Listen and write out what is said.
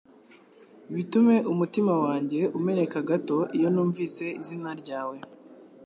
Bitume umutima wanjye umeneka gato iyo numvise izina ryawe